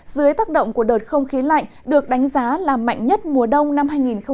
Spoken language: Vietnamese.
dưới tác động của đợt không khí lạnh được đánh giá là mạnh nhất mùa đông năm hai nghìn một mươi tám hai nghìn một mươi chín